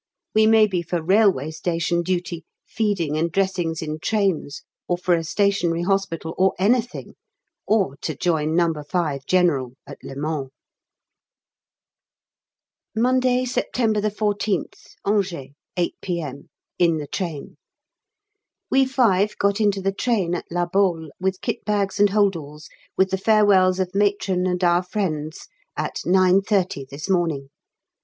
We may be for Railway Station duty, feeding and dressings in trains or for a Stationary Hospital, or anything, or to join No. 5 General at Le Mans. Monday, September 14th, Angers, 8 P.M. in the train. We five got into the train at La Baule with kit bags and holdalls, with the farewells of Matron and our friends, at 9.30 this morning.